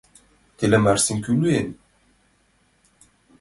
Телым Арсим кӧ лӱен?